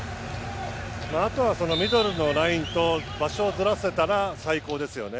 あとはミドルのラインと場所をずらせたら最高ですよね。